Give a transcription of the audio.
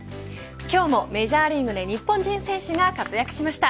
今日もメジャーリーグで日本人選手が活躍しました。